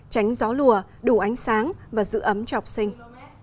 tránh gió lùa đủ ánh sáng và giữ ấm cho học sinh